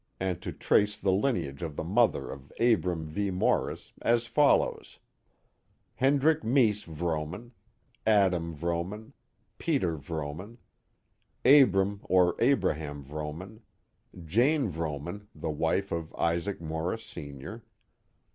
and to trace the line age of the mother of Abram V. Morris; as follows: Hendrick Meese Vrooman. Adam Vrooman. Peter Vrooman. Abram or Abraham Vrooman. Jane Vrooman, the wife of Isaac Morris, Sr.